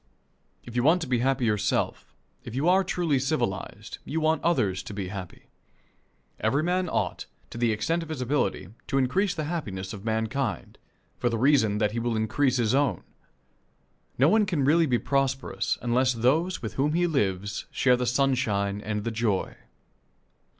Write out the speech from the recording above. If you want to be happy yourself, if you are truly civilized, you want others to be happy. Every man ought, to the extent of his ability, to increase the happiness of mankind, for the reason that that will increase his own. No one can be really prosperous unless those with whom he lives share the sunshine and the joy.